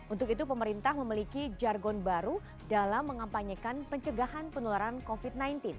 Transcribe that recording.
untuk itu pemerintah memiliki jargon baru dalam mengampanyekan pencegahan penularan covid sembilan belas